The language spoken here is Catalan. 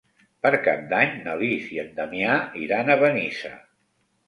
Per Cap d'Any na Lis i en Damià iran a Benissa.